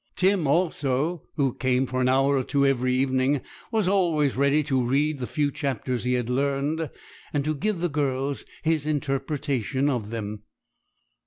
Tim, also, who came for an hour or two every evening, was always ready to read the few chapters he had learned, and to give the girls his interpretation of them.